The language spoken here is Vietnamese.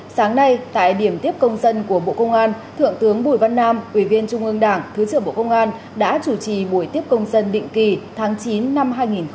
sáng nay tại điểm tiếp công dân của bộ công an thượng tướng bùi văn nam ủy viên trung ương đảng thứ trưởng bộ công an đã chủ trì buổi tiếp công dân định kỳ tháng chín năm hai nghìn hai mươi